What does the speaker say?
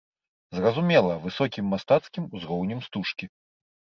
Зразумела, высокім мастацкім узроўнем стужкі.